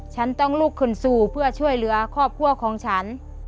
ฉันต้องลูกคนสู้เพื่อช่วยเหลือครอบครัวของฉัน